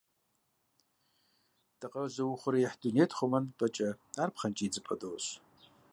Дыкъэузыухъуреихь дунейр тхъумэным и пӏэкӏэ, ар пхъэнкӏий идзыпӏэ дощӏ.